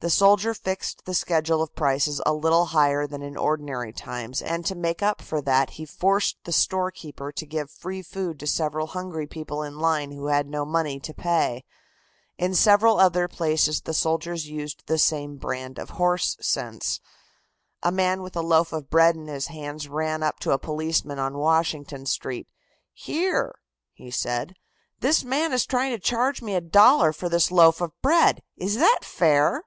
The soldier fixed the schedule of prices a little higher than in ordinary times, and to make up for that he forced the storekeeper to give free food to several hungry people in line who had no money to pay. In several other places the soldiers used the same brand of horse sense. A man with a loaf of bread in his hand ran up to a policeman on Washington Street. "Here," he said, "this man is trying to charge me a dollar for this loaf of bread. Is that fair?"